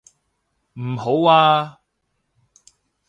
唔好啊！